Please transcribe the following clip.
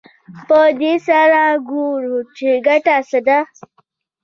په دې سره ګورو چې ګټه څه ده